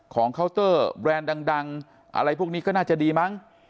เคาน์เตอร์แบรนด์ดังอะไรพวกนี้ก็น่าจะดีมั้ง